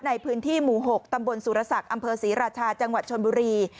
ในพื้นที่หมู่๖ตำบลสุรศักดิ์อำเภอศรีราชาจังหวัดชนบุรี